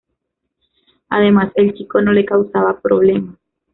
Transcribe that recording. Además el chico no le causaba problemas.